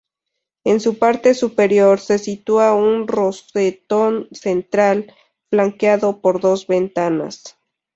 En su parte superior, se sitúa un rosetón central, flanqueado por dos ventanas.